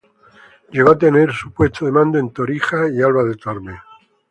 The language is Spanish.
Llegó a tener su puesto de mando en Torija y Alba de Tormes.